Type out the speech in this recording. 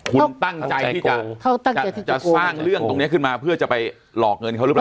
คุณตั้งใจที่จะสร้างเรื่องตรงนี้ขึ้นมาเพื่อจะไปหลอกเงินเขาหรือเปล่า